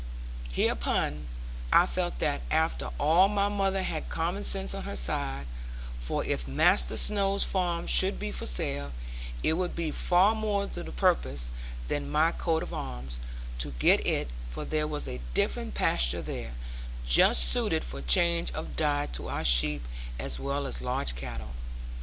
Hereupon, I felt that after all my mother had common sense on her side; for if Master Snowe's farm should be for sale, it would be far more to the purpose than my coat of arms, to get it; for there was a different pasture there, just suited for change of diet to our sheep as well as large cattle.